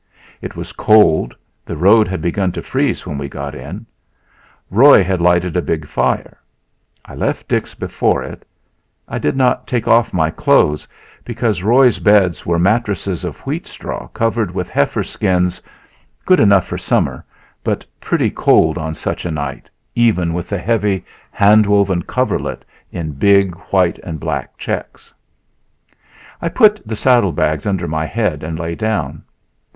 It was cold; the road had begun to freeze when we got in. Roy had lighted a big fire. I left Dix before it. I did not take off my clothes, because Roy's beds were mattresses of wheat straw covered with heifer skins good enough for summer but pretty cold on such a night, even with the heavy, hand woven coverlet in big white and black checks. I put the saddle bags under my head and lay down.